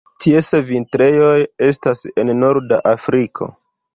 Ties vintrejoj estas en norda Afriko.